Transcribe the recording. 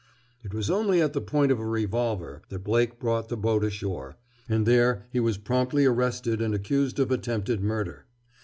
It was only at the point of a revolver that Blake brought the boat ashore, and there he was promptly arrested and accused of attempted murder.